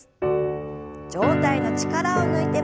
上体の力を抜いて前に。